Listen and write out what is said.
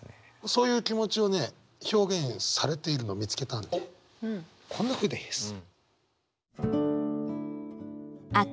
そういう気持ちをね表現されているのを見つけたんでこんなふうです。